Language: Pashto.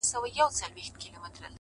• خير دی، زه داسي یم، چي داسي نه وم،